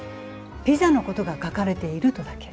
ピザのことが書かれているとだけ。